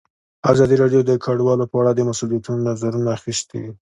ازادي راډیو د کډوال په اړه د مسؤلینو نظرونه اخیستي.